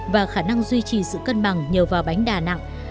và khả năng duy trì sự cân bằng nhờ vào bánh đà nặng